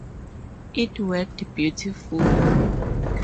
It worked beautifully.